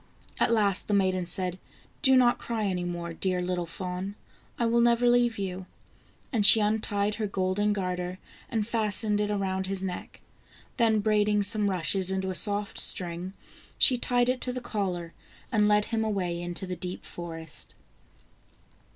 At last the maiden said :" Do not cry any more, dear little fawn, I will never leave you," and she untied her golden garter and fastened it around his neck, then braiding some rushes into a soft string, she tied it to the collar, and led him away into the deep forest.